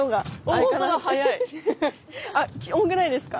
重くないですか？